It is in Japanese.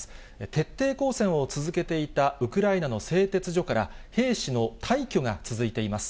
徹底抗戦を続けていたウクライナの製鉄所から、兵士の退去が続いています。